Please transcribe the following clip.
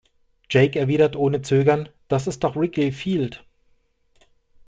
Jake erwidert ohne Zögern „Das ist doch Wrigley Field“.